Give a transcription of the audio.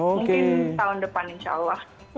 mungkin tahun depan insya allah